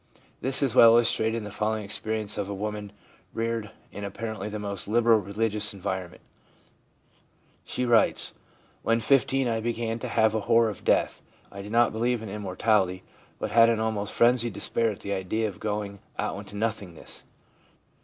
This is well illustrated in the following experience of a woman reared in apparently the most liberal religious environ ment. She writes :' When 15 I began to have a horror of death. I did not believe in immortality, but had an almost frenzied despair at the idea of going out into nothingness.